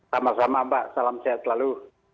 sama sama mbak salam sehat selalu